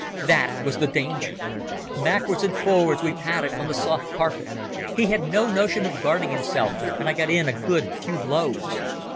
That was the danger. Backwards and forwards we padded on the soft carpet. He had no notion of guarding himself, and I got in a good few blows.